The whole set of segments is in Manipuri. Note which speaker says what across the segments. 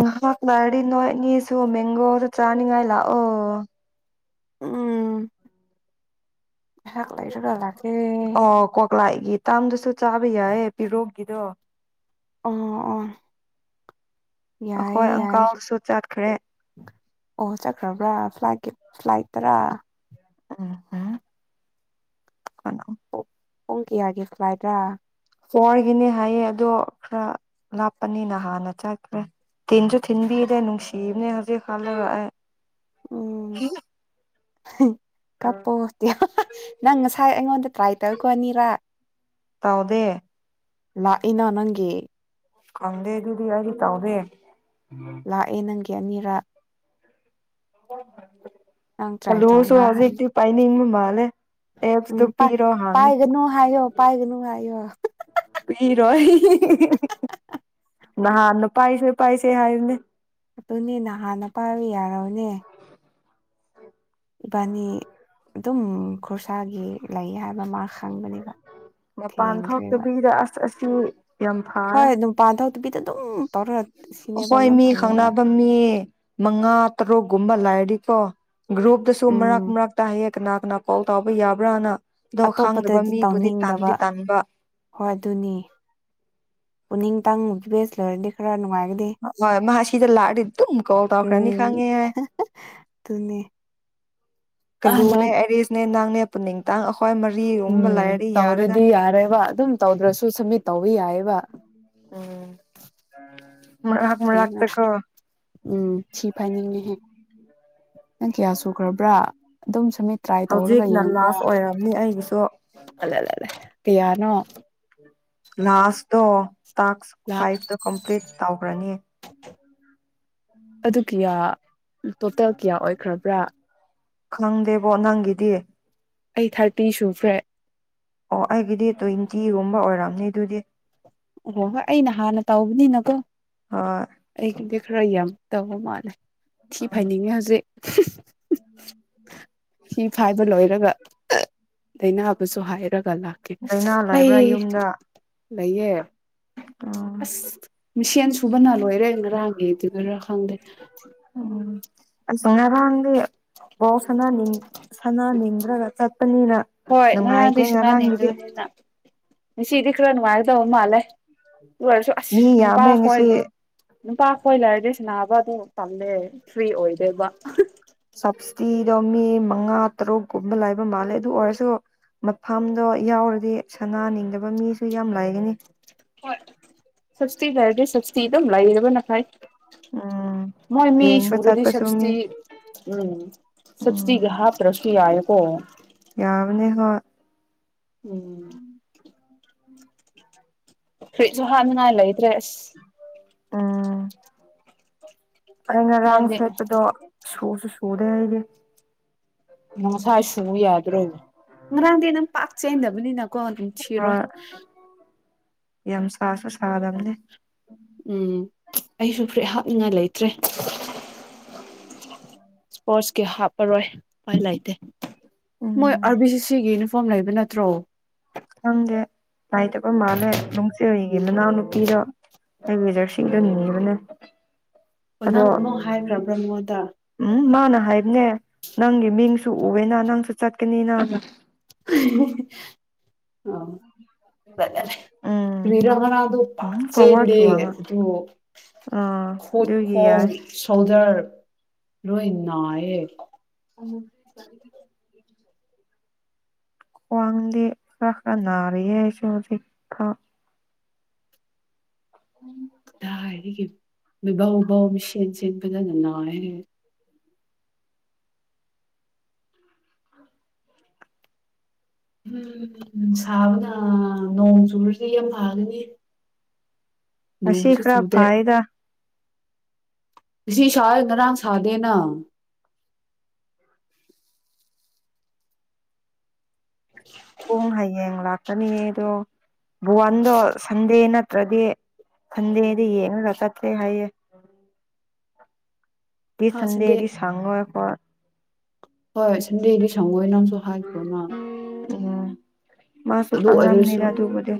Speaker 1: ꯎ ꯐꯗꯤ ꯅꯣꯏꯅꯤꯁꯨ ꯃꯦꯡꯒꯣꯗ ꯆꯥꯅꯤꯡꯉꯥꯏꯂ ꯑꯣ
Speaker 2: ꯎꯝ ꯉꯥꯏꯍꯥꯛ ꯂꯩꯔꯒ ꯂꯥꯛꯀꯦ
Speaker 1: ꯑꯣ ꯀ ꯄꯥꯛꯂꯥꯏꯒꯤ ꯇꯥꯝꯗꯁꯨ ꯆꯥꯕ ꯌꯥꯏꯌꯦ ꯄꯤꯔꯣꯛꯀꯤꯗꯣ
Speaker 2: ꯑꯣ ꯑꯣ ꯌꯥꯏ
Speaker 1: ꯑꯩꯈꯣꯏ
Speaker 2: ꯌꯥꯏ
Speaker 1: ꯑꯪꯀꯜꯁꯨ ꯆꯠꯈ꯭ꯔꯦ
Speaker 2: ꯑꯣ ꯆꯠꯈ꯭ꯔꯕ꯭ꯔꯥ ꯐ ꯂꯥꯛꯀꯦ ꯐ꯭ꯂꯥꯏ ꯇꯔ
Speaker 1: ꯑ ꯍꯥꯥ
Speaker 2: ꯄꯣꯡ ꯀꯌꯥꯒꯤꯦ ꯐ꯭ꯂꯥꯏꯠ꯭ꯔꯥ
Speaker 1: ꯍꯒꯤꯅꯦ ꯍꯥꯏꯌꯦ ꯑꯗꯣ ꯈꯔ ꯂꯥꯞꯄꯅꯤꯅ ꯍꯥꯟꯅ ꯆꯠꯈ꯭ꯔꯦ ꯇꯤꯟꯁꯨ ꯊꯤꯟꯕꯤꯔꯦ ꯅꯨꯡꯁꯤꯕꯅꯦ ꯍꯧꯖꯤꯛ ꯍꯜꯂ ꯑꯩ ꯍ
Speaker 2: [unintelligible] ꯀꯞꯄꯣꯇꯤꯌꯥ ꯅꯪ ꯉꯁꯥꯏ ꯑꯩꯉꯣꯟꯗ ꯇ꯭ꯔꯥꯏ ꯇꯧꯀꯣ ꯑꯅꯤꯔꯥꯛ
Speaker 1: ꯇꯧꯗꯦ
Speaker 2: ꯂꯥꯛꯏꯅ ꯅꯪꯒꯤ
Speaker 1: ꯈꯪꯗꯦ ꯑꯗꯨꯗꯤ ꯑꯩꯗꯤ ꯇꯥꯎꯗꯦ
Speaker 2: ꯂꯥꯑꯦ ꯅꯪꯒꯤ ꯒꯤ ꯑꯅꯤꯔꯥꯛ
Speaker 1: [unintelligible]
Speaker 2: ꯅꯪ ꯇ꯭ꯔꯥꯏ
Speaker 1: ꯀꯜꯂꯨꯁꯨ
Speaker 2: ꯇꯧꯕ꯭ꯔꯥ ꯍꯥꯏꯅ
Speaker 1: ꯍꯧꯖꯤꯛꯇꯤ ꯄꯥꯏꯅꯤꯡꯕ ꯃꯥꯜꯂꯦ ꯑꯦꯞꯁꯇꯨ
Speaker 2: ꯎꯝ
Speaker 1: ꯄꯤꯔꯣ ꯍꯥꯡꯉꯦ
Speaker 2: ꯄꯥꯏꯒꯅꯨ ꯍꯥꯏꯌꯣ ꯄꯥꯏꯒꯅꯨ ꯍꯥꯏꯌꯣ
Speaker 1: ꯄꯤꯔꯣꯏ ꯅꯍꯥꯟꯅ ꯄꯥꯏꯁꯦ ꯄꯥꯏꯁꯦ ꯍꯥꯏꯕꯅꯦ
Speaker 2: ꯑꯗꯨꯅꯦ ꯅꯍꯥꯟꯅ ꯄꯥꯏꯕ ꯌꯥꯔꯕꯅꯦ ꯏꯕꯥꯅꯤ ꯑꯗꯨꯝ ꯈꯨꯔꯁꯥꯒꯤ ꯂꯩ ꯍꯥꯏꯕ ꯃꯥ ꯈꯪꯕꯅꯦꯕ
Speaker 1: ꯃꯄꯥꯟ
Speaker 2: ꯊꯦꯡꯈ꯭ꯔꯦꯕ
Speaker 1: ꯊꯣꯛꯇꯕꯤꯗ ꯑꯁ ꯑꯁ [unintelligible] ꯌꯥꯝ
Speaker 2: ꯍꯣꯏ
Speaker 1: ꯐꯥꯔ
Speaker 2: ꯑꯗꯨꯝ ꯄꯥꯟꯊꯣꯛꯇꯕꯤꯗ ꯑꯗꯨꯝ ꯇꯧꯔ ꯁꯤꯅꯦꯕ
Speaker 1: ꯍꯣꯏ
Speaker 2: ꯌꯥꯝ
Speaker 1: ꯃꯤ
Speaker 2: ꯐꯩꯌꯦꯕ
Speaker 1: ꯈꯪꯅꯕ ꯃꯤ ꯃꯉꯥ ꯇꯔꯨꯛꯒꯨꯝꯕ ꯂꯥꯏꯗꯤ ꯀꯣ ꯭ꯒꯔꯨꯨꯞꯇꯁꯨ ꯃꯔꯛ
Speaker 2: ꯎꯝ
Speaker 1: ꯃꯔꯛ ꯇ ꯍꯥꯌꯦꯞ ꯀꯅꯥ ꯀꯅꯥ ꯀꯣꯜ ꯇꯥꯎꯕ ꯌꯥꯕ꯭ꯔꯥꯅ ꯗꯣ ꯈꯥꯡꯗꯕ ꯃꯤ
Speaker 2: ꯎꯅꯤꯡꯗꯕ ꯍꯣꯏ ꯑꯗꯨꯅꯤ ꯄꯨꯅꯤꯡ ꯇꯪ ꯕꯦꯁ ꯂꯣꯏꯔꯗꯤ ꯈꯔꯥ ꯅꯨꯡꯉꯥꯏ
Speaker 1: ꯃꯥ ꯑꯁꯤꯗ ꯂꯥꯔꯑꯗꯤ ꯗꯨꯝ ꯀꯣꯜ ꯇꯧꯈꯔꯅꯤ
Speaker 2: ꯎꯝ
Speaker 1: ꯈꯪꯉꯦ
Speaker 2: ꯑꯗꯨꯅꯦ ꯑꯗꯣ
Speaker 1: ꯀꯂꯨꯅꯦ ꯑꯔꯤꯁꯅꯦ ꯅꯪ ꯅꯦ ꯄꯨꯅꯤꯡꯇꯥꯡ ꯑꯩꯈꯣꯏ ꯃꯔꯤꯒꯨꯝꯕ
Speaker 2: ꯎꯝ
Speaker 1: ꯂꯩꯔꯗꯤ ꯌꯥꯔꯦꯗ
Speaker 2: ꯇꯧꯔꯗꯤ ꯌꯥꯔꯦꯕ ꯑꯗꯨꯝ ꯇꯧꯗ꯭ꯔꯁꯨ ꯁꯃꯤꯠ
Speaker 1: ꯎꯝ ꯃꯔꯛ
Speaker 2: ꯀ꯭ꯔꯤ ꯅꯣ
Speaker 1: ꯃꯔꯛꯇꯀꯣ
Speaker 2: ꯎꯝ ꯊꯤ ꯐꯥꯏꯅꯤꯡꯉꯦꯍꯦ ꯅꯪ ꯀꯌꯥ ꯁꯨꯈ꯭ꯔꯕ꯭ꯔꯥ ꯑꯗꯨꯝ ꯁꯝꯃꯤꯠ ꯇ꯭ꯔꯥꯏ ꯇꯧꯔꯒ
Speaker 1: ꯍꯧꯖꯤꯛꯅ
Speaker 2: ꯌꯦꯡꯕ꯭ꯔꯥ
Speaker 1: ꯂꯥꯁ ꯑꯣꯏꯔꯝꯅꯤ ꯑꯩꯒꯤꯁꯨ
Speaker 2: ꯇꯤꯌꯥꯅꯣ
Speaker 1: ꯂꯥꯁꯇꯣ ꯇꯥꯛꯁ
Speaker 2: ꯂꯥ
Speaker 1: ꯐꯥꯏꯚꯇꯣ ꯀꯝꯄ꯭ꯂꯤꯠ ꯇꯧꯒꯔꯥꯅꯤ
Speaker 2: ꯑꯗꯨ ꯀꯌꯥ ꯇꯣꯇꯦꯜ ꯀꯌꯥ ꯑꯣꯏꯈ꯭ꯔꯕ꯭ꯔꯥ
Speaker 1: ꯈꯪꯗꯦꯕꯣ ꯅꯪꯒꯤꯗꯤꯌꯦ
Speaker 2: ꯑꯩ ꯊꯥꯔꯇꯤ ꯁꯨꯈ꯭ꯔꯦ
Speaker 1: ꯑꯣ ꯑꯩꯒꯤꯗꯤ ꯇ꯭ꯋꯦꯟꯇꯤꯒꯨꯝꯕ ꯑꯣꯏꯔꯝꯅꯤ ꯑꯗꯨꯗꯤ
Speaker 2: ꯑꯣꯍꯣ ꯍꯣꯏ ꯑꯩꯅ ꯍꯥꯟꯅ ꯇꯧꯕꯅꯤꯅꯀꯣ
Speaker 1: ꯍꯣꯏ
Speaker 2: ꯑꯩꯒꯤꯗꯤ ꯈꯔ ꯌꯥꯝ ꯇꯧ ꯃꯥꯅꯦ ꯊꯤ ꯐꯥꯏꯅꯤꯡꯉꯦ ꯍꯧꯖꯤꯛ [inaudible] ꯁꯤ ꯐꯥꯏꯕ ꯂꯣꯏꯔꯒ ꯑꯩꯅꯕꯁꯨ ꯍꯥꯏꯔꯒ ꯂꯥꯛꯀꯦ
Speaker 1: ꯂꯥꯏꯅꯥ
Speaker 2: ꯂꯩ
Speaker 1: ꯂꯩꯕ꯭ꯔꯥ ꯌꯨꯝꯗ
Speaker 2: ꯂꯩꯌꯦ
Speaker 1: ꯎꯝ
Speaker 2: ꯑꯁ ꯃꯤꯁꯦꯟ ꯁꯨꯕꯅ ꯂꯣꯏꯔꯦ ꯉꯔꯥꯡ ꯑꯦ ꯔ ꯈꯪꯗꯦ
Speaker 1: ꯁꯔꯗꯤ ꯎ ꯁꯅꯥ ꯅꯤꯡ ꯁꯅꯥ ꯅꯤꯡꯗ꯭ꯔꯒ ꯆꯠ
Speaker 2: ꯍꯣꯏ ꯉꯔꯥꯡꯗꯩꯁꯨ ꯅ ꯅꯤꯡꯗꯁꯤꯅ ꯁꯤꯗꯤ ꯈꯔ ꯅꯨꯡꯉꯥꯏꯅ ꯇꯧꯕ ꯃꯥꯜꯂꯦ ꯑꯗꯨ ꯑꯣꯏꯔꯁꯨ ꯑꯁ
Speaker 1: ꯃꯤ
Speaker 2: ꯅꯨꯄꯥ
Speaker 1: ꯌꯥꯝꯃꯦ ꯉꯁꯤ
Speaker 2: ꯈꯣꯏꯂꯦ ꯅꯨꯄꯥ ꯑꯩꯈꯣꯏ ꯂꯩꯔꯗꯤ ꯁꯅꯥꯕ ꯑꯗꯨ ꯇꯝꯃꯦ ꯐ꯭ꯔꯤ ꯑꯣꯏꯗꯦꯕ
Speaker 1: ꯁꯞꯕꯁꯤꯗꯤꯗꯣ ꯃꯤ ꯃꯉꯥ ꯇꯔꯨꯛꯀꯨꯝꯕ ꯂꯥꯏꯕ ꯃꯥꯜꯂꯦ ꯑꯗꯨ ꯑꯣꯏꯔꯁꯨ ꯃꯐꯝꯗꯣ ꯌꯥꯎꯔꯗꯤ ꯁꯅꯥꯅꯤꯡꯗꯕ ꯃꯤꯁꯨ ꯌꯥꯝ ꯂꯥꯏꯒꯅꯤ
Speaker 2: ꯍꯣꯏ ꯁꯁꯇꯤ ꯍꯥꯏꯔꯗꯤ ꯁꯁꯇꯤ ꯑꯗꯨꯝ ꯂꯩꯔꯕꯅꯈꯥꯏ
Speaker 1: ꯎꯝ
Speaker 2: ꯃꯣꯏ ꯃꯤ
Speaker 1: ꯌꯦꯡꯕ
Speaker 2: ꯁꯨꯔꯗꯤ
Speaker 1: ꯆꯠꯄꯁꯨ ꯃꯤ
Speaker 2: ꯁꯇꯤ ꯎꯝ ꯁꯇꯤ
Speaker 1: ꯎꯝ
Speaker 2: ꯉꯍ꯭ꯔꯁ ꯀ ꯍꯥꯏꯀꯣ
Speaker 1: ꯌꯥꯕꯅꯦ ꯍꯣ ꯎꯝ
Speaker 2: [inaudible] ꯐꯨꯔꯤꯠꯁꯨ ꯍꯥꯞꯅꯤꯡꯉꯥꯏ ꯂꯩꯇ꯭ꯔꯦ ꯑꯁ
Speaker 1: ꯑꯥ ꯑ ꯉꯔꯥꯡ
Speaker 2: ꯅꯪꯗꯤ
Speaker 1: ꯁꯦꯠꯄꯗꯣ ꯁꯨꯔꯁ ꯁꯨꯗꯒ
Speaker 2: ꯎ ꯁꯥ ꯌꯥꯗ꯭ꯔꯣ ꯉꯔꯥꯡꯗꯤ ꯑꯗꯨꯝ ꯄꯥꯛ ꯆꯦꯟꯗꯕꯅꯤꯅꯀꯣ ꯑꯗꯨꯝ ꯊꯤꯔꯣꯏ
Speaker 1: ꯍꯣꯏ ꯌꯥꯝ ꯁꯥꯁꯨ ꯁꯥꯗꯕꯅꯦ
Speaker 2: ꯎꯝ ꯑꯩꯁꯨ ꯐꯨꯔꯤꯠ ꯍꯥꯞꯅꯤꯡꯉꯥꯏ ꯂꯩꯇ꯭ꯔꯦ ꯏꯁꯄꯣꯔꯠꯁ ꯀ ꯍꯥꯞ ꯄꯔꯣꯏ [unintelligible] ꯂꯩꯇꯦ ꯃꯣꯏ
Speaker 1: ꯎꯝ
Speaker 2: ꯑ ꯚꯤꯁꯤꯁꯤꯅꯤ ꯐꯣꯝ ꯂꯩꯕ ꯅꯠꯇ꯭ꯔꯣ
Speaker 1: ꯈꯪꯗꯦ ꯂꯩꯇꯕ ꯃꯥꯜꯂꯦ ꯅꯨꯡꯆꯤꯔꯤꯒꯤ ꯃꯅꯥꯎꯅꯨꯄꯤꯗꯣ ꯑꯩ [unintelligible] ꯅꯤꯕꯅꯦ ꯑꯗꯣ
Speaker 2: ꯅꯪ ꯑꯃꯨꯛ ꯍꯥꯏꯈ꯭ꯔꯕ꯭ꯔ ꯃꯤꯉꫭꯟꯗ
Speaker 1: ꯎꯝ ꯃꯥꯅ ꯍꯥꯏꯕꯅꯦ ꯅꯪꯒꯤ ꯃꯤꯡꯁꯨ ꯎꯋꯦꯅ ꯅꯪꯁꯨ ꯆꯠꯀꯅꯤꯅ
Speaker 2: [unintelligible] ꯑ
Speaker 1: ꯎꯝ
Speaker 2: ꯀꯔꯤꯔ ꯄꯥꯛ
Speaker 1: ꯎꯝ ꯐꯣꯔꯋꯥꯔꯗ
Speaker 2: ꯆꯦꯟꯗꯦ
Speaker 1: ꯋꯥꯡꯉ ꯑꯥ
Speaker 2: [unintelligible] ꯈꯨꯠ
Speaker 1: ꯑꯗꯨꯒꯤ
Speaker 2: ꯈꫭꯡ
Speaker 1: ꯌꯥꯏ
Speaker 2: ꯖꫪ ꯂꯣꯏ ꯑꯌꯦ
Speaker 1: [unintelligible] ꯈ꯭ꯋꯥꯡꯗꯤ ꯈꯔ ꯈꯔ ꯅꯥꯔꯤꯌꯦ ꯍꯧꯖꯤꯛꯐꯥꯎ [unintelligible]
Speaker 2: [unintelligible] ꯃꯤꯁꯦꯟ ꯁꯦꯟ ꯐꯖꯅ ꯅꯥꯥꯏꯌꯦ ꯎꯝ ꯅꯨꯡꯁꯥꯕꯅ ꯅꯣꯡ ꯆꯨꯨꯔꯗꯤ ꯌꯥꯝ ꯐꯥꯒꯅꯤ
Speaker 1: ꯑꯁꯤ ꯈꯔ ꯐꯥꯏꯗ
Speaker 2: ꯉꯁꯤ ꯁꯥꯏ ꯉꯔꯥꯡ ꯁꯥꯥꯗꯦꯅ
Speaker 1: ꯄꯨꯡ ꯍꯌꯦꯡ ꯂꯥꯛꯀꯅꯤꯌꯦ ꯑꯗꯣ ꯚꯨꯋꯥꯟꯗꯣ ꯁꯟꯗꯦ ꯅꯠꯇ꯭ꯔꯗꯤ ꯁꯟꯗꯦꯗ ꯌꯦꯡꯔꯒ ꯆꯠꯁꯦ ꯍꯥꯏꯌꯦ [unintelligible]
Speaker 2: ꯍꯥ ꯁꯟꯗꯦ
Speaker 1: ꯁꯟꯗꯦꯗꯤ ꯁꯥꯉꯣꯏ ꯑꯈꫭꯏ
Speaker 2: ꯍꯣꯏ ꯁꯟꯗꯦꯗꯤ ꯁꯪꯉꯣꯏ ꯅꯪꯁꯨ ꯍꯥꯏꯈ꯭ꯔꫭꯅ
Speaker 1: ꯎꯝ ꯃꯥꯁꯨ
Speaker 2: ꯑꯣꯏꯔꯁꯨ
Speaker 1: ꯈꯪꯉꯝꯅꯤꯗ ꯑꯗꯨꯕꯨꯗꯤ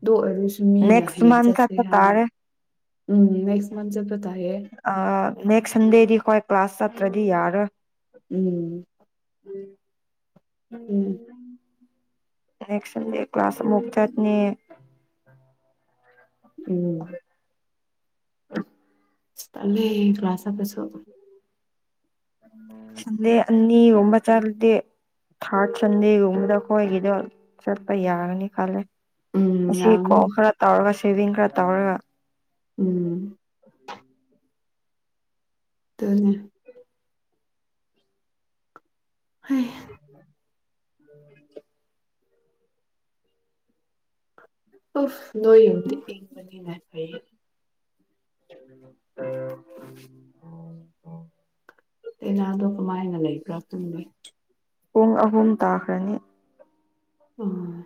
Speaker 2: ꯑꯗꯨ ꯑꯣꯏꯔꯁꯨ ꯃꯤꯅ
Speaker 1: ꯅꯦꯛꯁ
Speaker 2: ꯍꯌꯦꯡ
Speaker 1: ꯃꯟꯊ
Speaker 2: ꯆꯠꯁꯦ
Speaker 1: ꯆꯠꯄ
Speaker 2: ꯍꯥꯏꯅ
Speaker 1: ꯇꯥꯔꯦ
Speaker 2: ꯎꯝ ꯅꯦꯛꯁ ꯃꯟ ꯆꯠꯄ ꯇꯥꯏꯌꯦ
Speaker 1: ꯑ ꯅꯦꯛꯁ ꯁꯟꯗꯦꯗꯤ ꯈꫭꯏ ꯀ꯭ꯂꯥꯁ ꯆꯠ ꯇ꯭ꯔꯗꯤ ꯌꯥꯔꫭꯏ
Speaker 2: ꯎꯝ ꯎꯝ
Speaker 1: ꯅꯦꯛꯁ ꯁꯟꯗꯦ ꯀ꯭ꯂꯥꯁ ꯑꯃꯨꯛ ꯆꯠꯅꯤ
Speaker 2: ꯎꯝ
Speaker 1: [unintelligible]
Speaker 2: ꯇꯜꯂꯦ ꯀ꯭ꯂꯥꯁ ꯑꯗꯨꯁꯨ
Speaker 1: ꯁꯟꯗꯦ ꯑꯅꯤꯒꯨꯝꯕ ꯆꯠꯂꯇꯤ ꯊꯥꫪ ꯁꯟꯗꯦꯒꯨꯝꯕꯗ ꯑꯈꯣꯏꯒꯤꯗꯣ ꯆꯠꯄ ꯌꯥꯒꯅꯤ ꯈꯜꯂꯦ
Speaker 2: ꯎꯝ
Speaker 1: ꯉꯁꯤ
Speaker 2: ꯌꯥꯒꯅꯤ
Speaker 1: ꯀꫭ ꯈꯔ ꯇꯥꯔꯒꯁꯤ ꯁꯦꯚꯤꯡ ꯈꯔ ꯇꯧꯔꯒ [inaudible]
Speaker 2: ꯎꯝ ꯇꯅꯤ [unintelligible] ꯎꯐ ꯅꯣꯏ ꯌꯨꯝꯇ ꯏꯪꯕ ꯊꯦꯡꯅꯗ꯭ꯔꯤ
Speaker 1: ꯑ
Speaker 2: ꯅꯅꯥꯗꯣ ꯀꯃꯥꯏꯅ ꯂꯩ ꯄꯥꯥꯛꯇꯨꯡꯅꯤ
Speaker 1: ꯄꯨꯡ ꯑꯍꯨꯝ ꯇꯥꯈ꯭ꯔꯅꯤ
Speaker 2: ꯎꯝ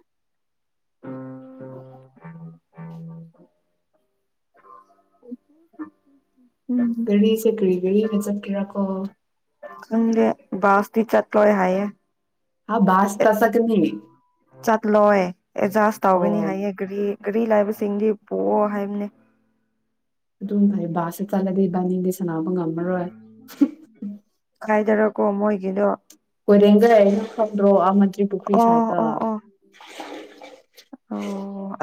Speaker 1: ꯑꯁ
Speaker 2: ꯀꯔꯤ ꯆꯦ ꯀꯔꯤꯒꯔꯤ ꯖꯞꯀꯤꯔꯀꯣ
Speaker 1: ꯆꯪꯒꯦ ꯁꯇ ꯆꯠ ꯂꯣꯏ ꯍꯥꯏꯌꯦꯌꯦ
Speaker 2: ꯍꯥꯥ ꯁ ꯇꯁ ꯀꯅꯤ
Speaker 1: ꯆꯠ ꯂꯣꯑ ꯑꯦꯖꯥꯁ ꯇꯧꯒꯅꯤ ꯍꯥꯏꯌꯦꯒ꯭ꯔꯤ ꯒꯥꯔꯤ ꯂꯥꯏꯕꯁꯤꯡꯗꯤ ꯄꯣꯛꯑꯣ ꯍꯥꯏꯕꯅꯤ
Speaker 2: ꯑꯗꯨ ꯀꯥꯏ ꯆꯂꯗꯤꯦꯕꯅꯤ ꯁꯅꯥ ꯄꯪꯒꯥꯃꯔꯣꯦ
Speaker 1: ꯀꯥꯏꯗꯔꯀꯣ ꯃꯣꯏꯒꯤꯗꯣ
Speaker 2: ꯔꯦ ꯐ꯭ꯔꯣ ꯔꯤ ꯄꯨ ꯄꯨꯈ꯭ꯔꯤ
Speaker 1: ꯑꯣ
Speaker 2: ꯁꯥꯏꯠꯇ
Speaker 1: ꯑꯣ ꯑꯣ ꯑꯣ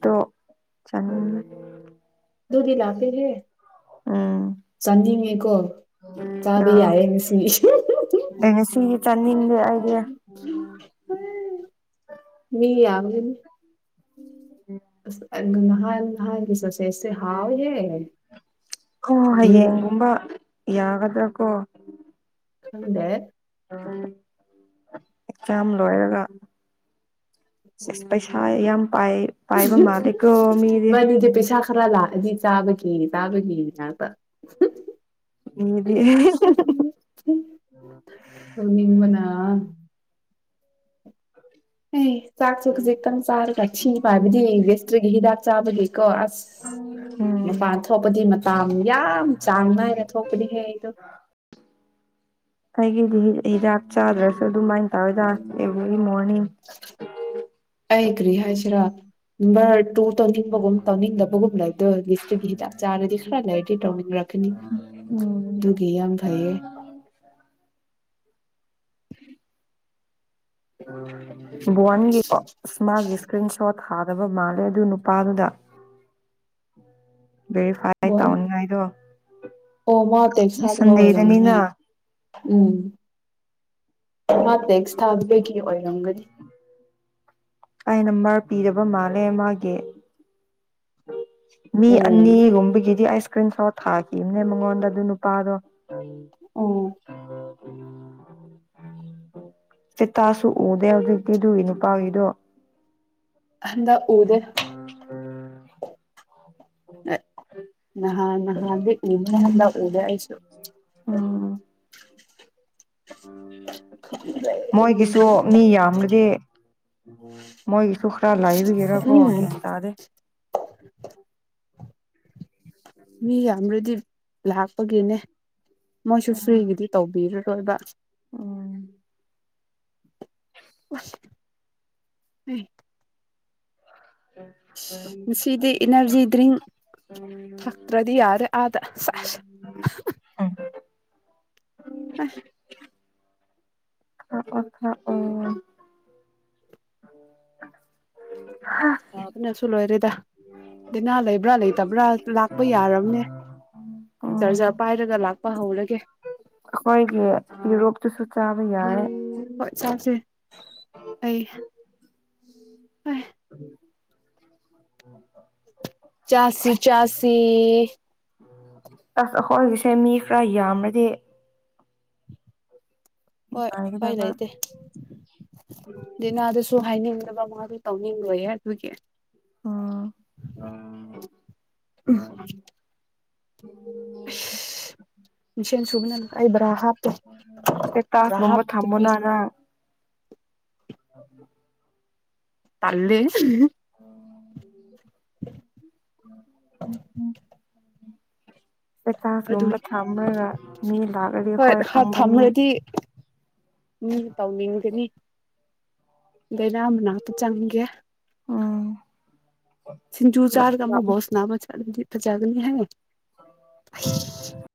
Speaker 1: ꯇꯣ ꯆꯅꯤ
Speaker 2: ꯑꯗꯨꯗꯨꯗꯤꯂꯄꯦ ꯍꯦ ꯆꯗꯤꯅꯤ ꯀꯣ
Speaker 1: ꯑ ꯑꯦꯉ ꯁꯤ ꯆꯥꯅꯤꯡꯗꯦ ꯑꯩꯗꯤ
Speaker 2: ꯃꯤ ꯌꯥꯕꯒꯅꯤ
Speaker 1: ꯎꯝ
Speaker 2: ꯑꯁ ꯅꯍꯥꯟ ꯅꯍꯁ ꯦꯁ ꯍꯥꯎꯥꯎ ꯍ
Speaker 1: ꯍ ꯍꯌꯦꯡꯒꯨꯝꯕ ꯌꯥꯒꯗ ꯀꯣ
Speaker 2: ꯈꯪꯗꯦ
Speaker 1: ꯑꯦꯛꯖꯥꯝ ꯂꯣꯏꯔꯒ ꯁꯤꯁ ꯄꯩꯁꯥ ꯌꯥꯝ ꯄꯥꯏ ꯄꯥꯏꯕ ꯃꯥꯜꯂꯦꯀꯣ ꯃꯤꯗꯤ
Speaker 2: ꯃꯥꯅꯤꯗꯤꯦ ꯄꯩꯁꯥ ꯈꯔ ꯂꯥꯛꯗꯤ ꯆꯥꯕꯒꯤ ꯇꯥꯕ ꯌꯥ
Speaker 1: ꯃꯤꯗꯤ
Speaker 2: ꯣ ꯅꯤꯡꯅ
Speaker 1: ꯑ
Speaker 2: ꯑꯦ ꯆꯥꯛ ꯆꯨꯛꯁ ꯆꯥꯔꯒꯛꯁꯤꯕ ꯍꯥꯏꯕꯗꯤ ꯕꯤꯁꯇ꯭ꯔꯤꯒꯤ ꯍꯤꯗꯥꯛ ꯆꯥꯕꯒꯤꯀꯣ ꯑꯁ
Speaker 1: ꯎꯝ
Speaker 2: ꯃꯄꯥꯟ ꯊꯣꯛꯄꯗꯤ ꯌꯥꯝ ꯌꯥꯝ ꯆꯥꯡ ꯅꯥꯏꯅ ꯊꯣꯛꯄꯅꯦꯍꯦ ꯑꯩꯗꯣ
Speaker 1: ꯑꯩꯒꯤꯗꯤ ꯍꯤꯗꯥꯛ ꯆꯥꯗ꯭ꯔꯁꯨ ꯑꯗꯨꯃꯥꯏꯅ ꯇꯧꯋꯦꯗ ꯏ ꯑꯅꯤ
Speaker 2: ꯑꯩ ꯀ꯭ꯔꯤ ꯍꯥꯏꯁꯤꯔꯥ ꯅꯝꯕꯔ ꯇ ꯇꯧꯅꯤꯡꯕꯒꯨꯝ ꯇꯧꯅꯤꯡꯗꯕꯒꯨꯝ ꯂꯩꯕꯗꯣ ꯂꯤꯁꯇ꯭ꯔꯤꯒꯤ ꯍꯤꯗꯥꯛ ꯆꯥꯔꯗꯤ ꯈꯔ ꯂꯩꯔꯗꯤ ꯇꯧꯅꯤꯡꯔꯛꯀꯅꯤ
Speaker 1: ꯎꯝ
Speaker 2: ꯑꯗꯨꯒꯤ ꯌꯥꯝ ꯐꯩꯌꯦ
Speaker 1: ꯎ ꯑꯣ ꯋꯥꯟꯒꯤ ꯎꯁꯃꯥꯒꯤ ꯏꯁꯄ꯭ꯔꯤꯟ ꯁꯣꯠ ꯊꯥꯗꯕ ꯃꯥꯜꯂꯦ ꯑꯗꯨ ꯅꯨꯄꯥꯗꯨꯗ ꯚꯦꯔꯤꯐꯥꯏ
Speaker 2: ꯕꯣꯟ
Speaker 1: ꯇꯧꯅꯤꯡꯉꯥꯏꯗꯣ
Speaker 2: ꯑꯣ ꯃꯥ ꯇꯦꯛꯁ ꯊꯥꯗꯕ
Speaker 1: ꯁꯟꯗꯦꯗꯅꯤꯅ
Speaker 2: ꯑꯣꯏꯔꯝꯅꯦ ꯎꯝ ꯃꯥ ꯇꯦꯛꯁ ꯊꯥꯕꯒꯤ ꯑꯣꯏꯔꯝꯒꯅꯤ [unintelligible]
Speaker 1: ꯑꯩꯅ ꯃꯥꯔ ꯄꯤꯗꯕ ꯃꯥꯜꯂꯦ ꯃꯥꯒꯤ ꯃꯤ
Speaker 2: ꯑꯣ
Speaker 1: ꯑꯅꯤꯒꯨꯝꯕꯒꯤꯗꯤ ꯑꯁ ꯏꯁꯀ꯭ꯔꯤꯟ ꯁꯣꯠ ꯊꯥꯈꯤꯕꯅꯦ ꯃꯉꯣꯟꯗ ꯑꯗꯨ ꯅꯨꯄꯥꯗꯣ
Speaker 2: ꯑ
Speaker 1: ꯆꯇꯥꯁꯨ ꯎꯗꯦ ꯍꯧꯗꯤꯗꯨꯏ ꯅꯨꯄꯥꯒꯤꯗꯣ
Speaker 2: ꯀꯗ ꯎꯗ ꯅꯍꯥꯟ ꯔꯦ ꯀ ꯗ ꯍꯥꯏꯁꯨ
Speaker 1: ꯎ ꯃꯣꯏꯒꯤꯁꯨ ꯃꯤ ꯌꯥꯝꯒꯗꯤ ꯃꯣꯏ ꯁꯈꯔ ꯂꯏꯕꯤꯒꯦꯔ
Speaker 2: ꯎꯝ
Speaker 1: ꯀꯣꯒ ꯇꯗ
Speaker 2: ꯃꯤ ꯌꯥꯝꯔꯗꯤ ꯂꯥꯛꯄꯒꯤꯅꯦ ꯃꯣꯏꯁꯨ ꯐ꯭ꯔꯤꯒꯤꯗꯤ ꯇꯧꯕꯤꯔ꯭ꯔꯦ ꯁꯣꯏꯕ
Speaker 1: ꯑꯣ
Speaker 2: ꯁ ꯉꯁꯤꯗꯤ ꯏꯅꯔꯖꯤ ꯗ꯭ꯔꯤꯡ ꯊꯛꯇ꯭ꯔꯗꯤ ꯌꯥꯔꯦ ꯑꯥꯗ ꯁꯦꯁ
Speaker 1: [unintelligible]
Speaker 2: ꯑ
Speaker 1: ꯑ ꯑꯣ ꯈ ꯑꯣ ꯎ
Speaker 2: ꯍꯥꯎ ꯑꯗꯨ ꯁꯨ ꯂꯣꯏꯔꯤꯦꯗ ꯂꯥꯏꯅꯥ ꯂꯩꯕ꯭ꯔꯥ ꯂꯩꯇꯕ꯭ꯔꯥ ꯂꯥꯛꯄ ꯌꯥꯔꯕꯅꯦ
Speaker 1: ꯎꯝ
Speaker 2: ꯆꯔꯖꯥꯔ ꯄꯥꯏꯔꯒ ꯂꯥꯛꯄ ꯍꯧꯔꯒꯦ
Speaker 1: ꯑꯩꯈꯣꯏꯒꯤ ꯌꯨꯔꯣꯞꯇꯨꯁꯨ ꯆꯥꯕ ꯌꯥꯏ
Speaker 2: ꯍꯣꯏ ꯆꯥꯁꯦ ꯑꯩ
Speaker 1: ꯎꯝ
Speaker 2: ꯆꯥꯁꯤ ꯆꯥꯁꯤ
Speaker 1: ꯑꯁ ꯑꯩꯈꯣꯏꯒꯤꯁꯦ ꯃꯤ ꯈꯔ ꯌꯥꯝꯃ꯭ꯔꯗꯤ
Speaker 2: ꯍꯣꯏ ꯀꯥꯏ
Speaker 1: ꯅꯨꯡꯉꯥꯏꯒꯗꯕ
Speaker 2: ꯂꯩꯇꯦ ꯦꯅꯥꯗꯁꯨ ꯍꯥꯏꯅꯤꯡꯉ ꯕꯥ ꯇꯧꯅꯤ ꯑꯣꯏꯣꯏꯦ ꯇꯨꯒꯤꯦ
Speaker 1: ꯎꯝ
Speaker 2: ꯑꯥ
Speaker 1: ꯎꯝ
Speaker 2: ꯃꯤꯁꯦꯟ ꯁꯨꯕꯅ ꯑꯩꯕ꯭ꯔꯥ ꯍꯥ
Speaker 1: ꯦ ꯇꯥꯛꯥꯁ ꯔꯨꯝꯝꯕ ꯊꯝꯃꯅꯅ ꯑ
Speaker 2: ꯇꯜꯂꯦ
Speaker 1: ꯎꯝ [inaudible] ꯎ
Speaker 2: ꯑꯗꯨ
Speaker 1: ꯄꯇꯥꯁꯒꯨꯝꯕ ꯊꯝꯃꯒ ꯃꯤ ꯂꯥꯛꯗꯤ ꯍꯣꯏ ꯈꯥꯡꯕ ꯃꯤ
Speaker 2: ꯎꯝ ꯇꯧꯅꯤꯡꯒꯅꯤ ꯗꯔ ꯃꯅꯥꯇ ꯆꯪꯒ
Speaker 1: ꯎꯝ
Speaker 2: ꯆꯁꯤꯡꯖꯨ ꯆꯥꯔꯒ ꯑꯃ ꯣ ꯁꯅꯥꯃ ꯆꯥꯂ ꯖꯒꯅꯤ ꯍꯥꯏꯒ
Speaker 1: ꯑ